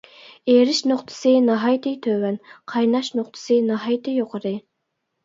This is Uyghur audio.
ئېرىش نۇقتىسى ناھايىتى تۆۋەن، قايناش نۇقتىسى ناھايىتى يۇقىرى.